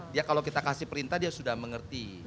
dia kalau kita kasih perintah dia sudah mengerti